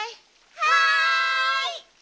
はい！